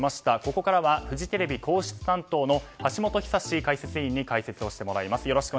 ここからはフジテレビ皇室担当の橋本寿史解説委員に解説していただきます。